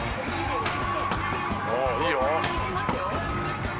「おおいいよ」